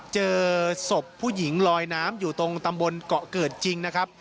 เจอศพผู้หญิงลอยน้ำอยู่ตรงตำบลเกาะเกิดจริงนะครับ